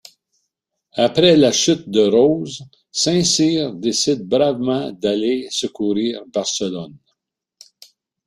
Après la chute de Roses, Saint-Cyr décide bravement d'aller secourir Barcelone.